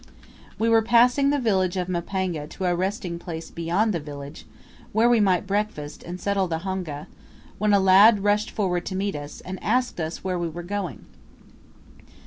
We were passing the village of Mapanga to a resting place beyond the village, where we might breakfast and settle the honga, when a lad rushed forward to meet us, and asked us where we were going.